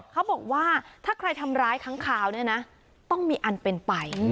เขาบอกว่าถ้าใครทำร้ายค้างคาวเนี่ยนะต้องมีอันเป็นไป